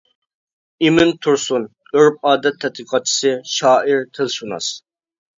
ئىمىن تۇرسۇن: ئۆرپ-ئادەت تەتقىقاتچىسى، شائىر، تىلشۇناس.